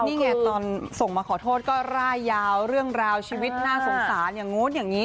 นี่ไงตอนส่งมาขอโทษก็ร่ายยาวเรื่องราวชีวิตน่าสงสารอย่างนู้นอย่างนี้